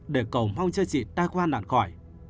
để cầu mong cho chị ta qua nạn khỏi